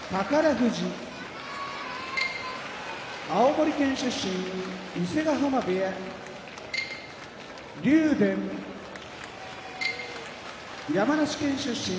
富士青森県出身伊勢ヶ濱部屋竜電山梨県出身